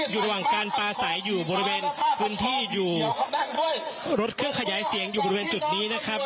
อยู่ระหว่างการปลาใสอยู่บริเวณพื้นที่อยู่รถเครื่องขยายเสียงอยู่บริเวณจุดนี้นะครับ